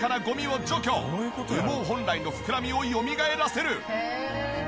羽毛本来の膨らみをよみがえらせる。